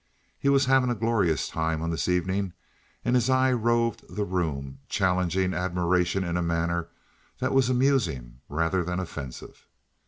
He was having a glorious time on this evening, and his eye roved the room challenging admiration in a manner that was amusing rather than offensive.